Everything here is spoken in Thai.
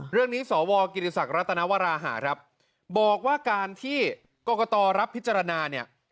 เรื่องนี้สวกิติศักดิ์รัตนวราหาบอกว่าการที่กรกตรรับพิจารณา